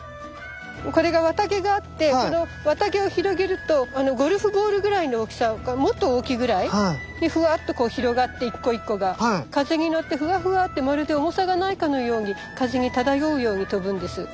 これが綿毛があってこの綿毛を広げるとゴルフボールぐらいの大きさかもっと大きいぐらいにフワっとこう広がって１個１個が風に乗ってフワフワってまるで重さがないかのように風に漂うように飛ぶんです。